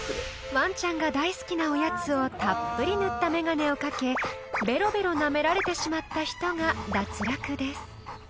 ［ワンちゃんが大好きなおやつをたっぷり塗った眼鏡を掛けべろべろなめられてしまった人が脱落です］